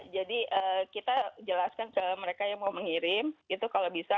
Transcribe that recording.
jadi kita jelaskan ke mereka yang mau mengirim itu kalau bisa